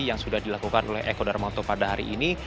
yang sudah dilakukan oleh eko darmoto pada hari ini